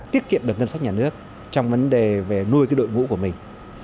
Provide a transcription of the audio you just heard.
tiết kiệm được ngân sách nhà nước trong vấn đề về nuôi đội ngũ của mình